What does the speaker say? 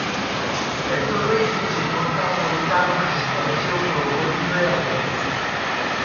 E todo isto sen contar co lindano que se esparexeu polo Porriño e arredores.